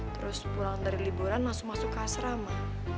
terus pulang dari liburan langsung masuk ke asrama